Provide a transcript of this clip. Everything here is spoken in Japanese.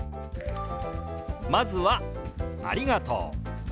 まずは「ありがとう」。